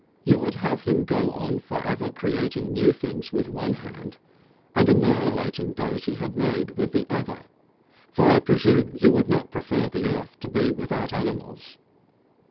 You would have him go on for ever creating new things with one hand, and annihilating those he had made with the other for I presume you would not prefer the earth to be without animals!